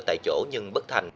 tại chỗ nhưng bất thành